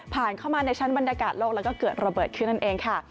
เข้ามาในชั้นบรรยากาศโลกแล้วก็เกิดระเบิดขึ้นนั่นเองค่ะ